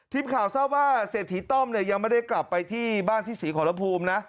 ทีมข่าวทราบว่าเศรษฐีต้อมเนี่ยยังไม่ได้กลับไปที่บ้านที่ศรีขอรภูมินะ